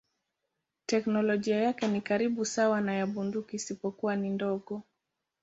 Teknolojia yake ni karibu sawa na ya bunduki isipokuwa ni ndogo.